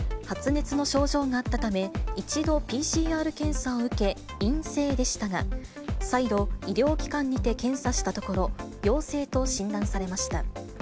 発熱の症状があったため、一度ＰＣＲ検査を受け、陰性でしたが、再度、医療機関にて検査したところ、陽性と診断されました。